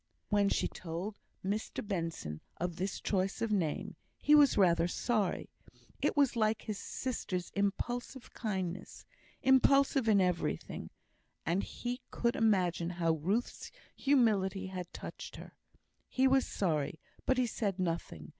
When she told Mr Benson this choice of name, he was rather sorry; it was like his sister's impulsive kindness impulsive in everything and he could imagine how Ruth's humility had touched her. He was sorry, but he said nothing.